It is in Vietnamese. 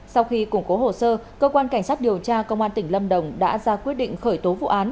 sau khi củng cố hồ sơ cơ quan cảnh sát điều tra công an tỉnh lâm đồng đã ra quyết định khởi tố vụ án